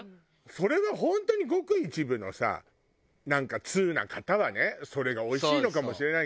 それは本当にごく一部のさなんか通な方はねそれがおいしいのかもしれないけど。